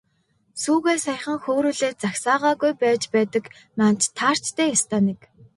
Сүүгээ саяхан хөөрүүлээд загсаагаагүй байж байдаг маань таарч дээ, ёстой нэг.